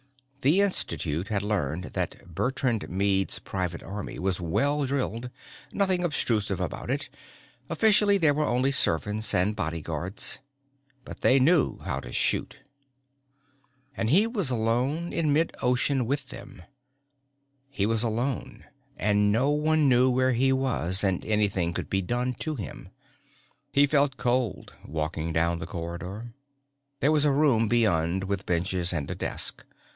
The Institute had learned that Bertrand Meade's private army was well drilled. Nothing obtrusive about it officially they were only servants and bodyguards but they knew how to shoot. And he was alone in mid ocean with them. He was alone and no one knew where he was and anything could be done to him. He felt cold, walking down the corridor. There was a room beyond with benches and a desk.